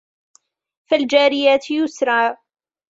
فَالْجَارِيَاتِ يُسْرًا